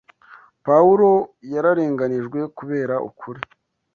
Pawulo yararenganijwe kubera ukuri